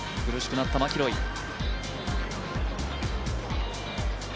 苦しくなったマキロイ。